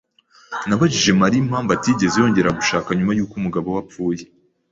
Nabajije Mariya impamvu atigeze yongera gushaka nyuma yuko umugabo we apfuye.